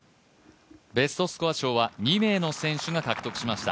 ベストスコア賞は２名の選手が獲得しました。